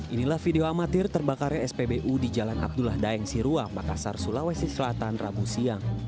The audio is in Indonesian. inilah video amatir terbakarnya spbu di jalan abdullah daeng siruang makassar sulawesi selatan rabu siang